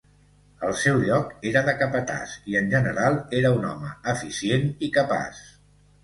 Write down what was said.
El seu lloc era de capatàs i en general era un home eficient i capaç.